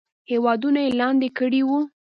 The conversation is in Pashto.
هیوادونه یې لاندې کړي وو.